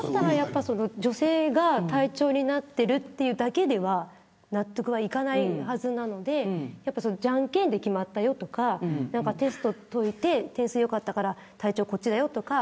女性が隊長になっているというだけでは納得はいかないはずなのでやっぱりじゃんけんで決まったよとかテストを解いて点数よかったから隊長こっちだよとか。